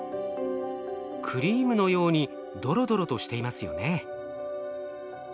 クリームのようにドロドロとしていますよね。